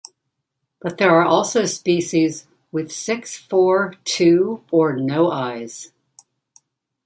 But there are also species with six, four, two or no eyes.